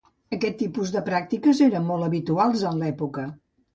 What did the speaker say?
Aquest tipus de pràctiques eren molt habituals en l'època.